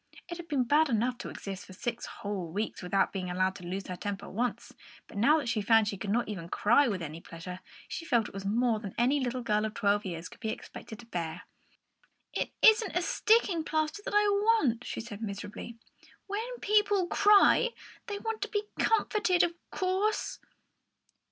It had been bad enough to exist for six whole weeks without being allowed to lose her temper once, but now that she found she could not even cry with any pleasure, she felt it was more than any little girl of twelve years old could be expected to bear. "It isn't sticking plaster that I want," she said miserably. "When people cry, they want to be comforted, of course."